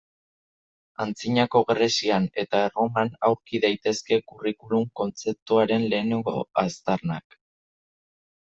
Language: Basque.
Antzinako Grezian eta Erroman aurki daitezke curriculum kontzeptuaren lehenengo aztarnak.